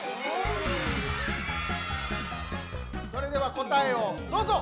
それではこたえをどうぞ！